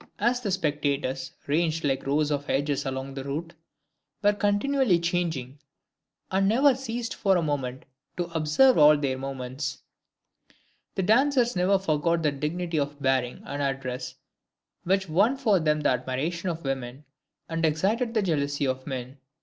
As the spectators, ranged like rows of hedges along the route, were continually changing, and never ceased for a moment to observe all their movements, the dancers never forgot that dignity of bearing and address which won for them the admiration of women, and excited the jealousy of men.